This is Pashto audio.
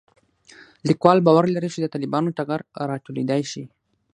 لیکوال باور لري چې د طالبانو ټغر راټولېدای شي